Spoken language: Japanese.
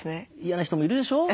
嫌な人もいるでしょう。